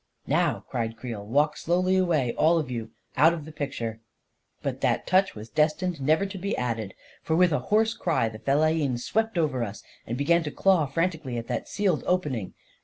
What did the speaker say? " Now," cried t Creel, " walk slowly away, all of you, out of the picture ..." But that touch was destined never to be added, for with a hoarse cry, the fellahin swept over us, and began to claw frantically at that sealed open ing.